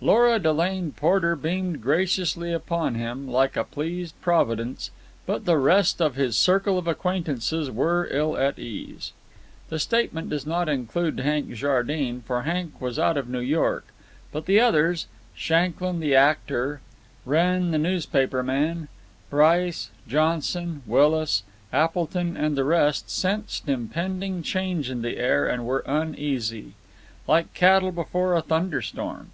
Lora Delane Porter beamed graciously upon him, like a pleased Providence, but the rest of his circle of acquaintances were ill at ease. The statement does not include Hank Jardine, for Hank was out of New York; but the others—Shanklyn, the actor; Wren, the newspaper man; Bryce, Johnson, Willis, Appleton, and the rest—sensed impending change in the air, and were uneasy, like cattle before a thunder storm.